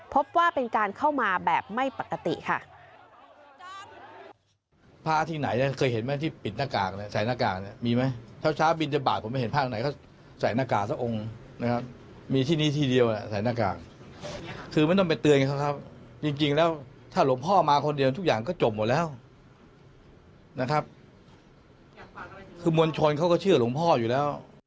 พบว่าเป็นการเข้ามาแบบไม่ปกติค่ะ